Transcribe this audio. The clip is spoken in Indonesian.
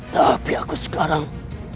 tapi aku sekarang